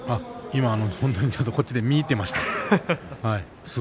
今、本当にこっちで見入っていました。